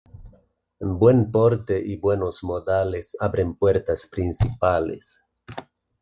Buen porte y buenos modales abren puertas principales.